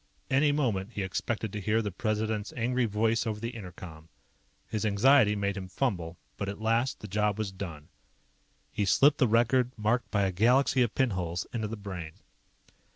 Any moment he expected to hear the President's angry voice over the inter com. His anxiety made him fumble, but at last, the job was done. He slipped the record, marked by a galaxy of pinholes, into the Brain.